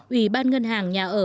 ủy ban ngân hàng nhà ở